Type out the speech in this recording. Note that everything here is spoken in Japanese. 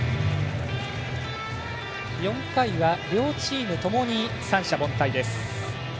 ４回は両チームともに三者凡退。